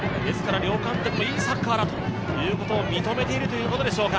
両監督もいいサッカーだということを認めているということでしょうか。